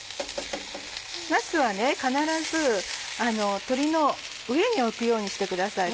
なすは必ず鶏の上に置くようにしてください。